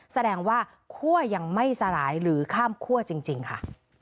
แสดงว่าคั่วยังไม่สลายหรือข้ามคั่วจริงค่ะ